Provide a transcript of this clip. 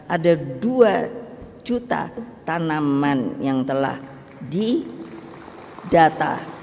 ada dua juta tanaman yang telah didata